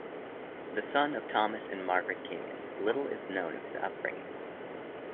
The son of Thomas and Margaret Kenyon, little is known of his upbringing.